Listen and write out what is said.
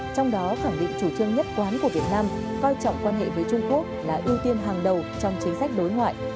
trong đó khẳng định chủ trương nhất quán của việt nam coi trọng quan hệ với trung quốc là ưu tiên hàng đầu trong chính sách đối ngoại